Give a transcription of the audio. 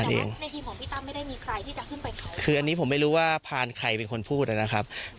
อันนี้อยากให้พี่ตั้มยืนยันหน่อยว่าเมื่อวานเนี่ยเรามีการให้ทีมเนี่ยขึ้นไปกับพาน